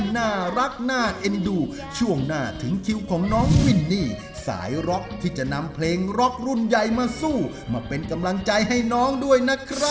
นะฮะขอบคุณทั้งสามท่านมากค่ะ